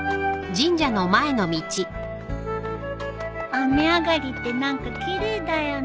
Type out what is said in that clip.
雨上がりって何か奇麗だよね。